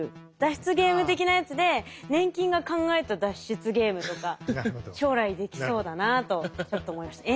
ゲーム的なやつで粘菌が考えた脱出ゲームとか将来できそうだなとちょっと思いました。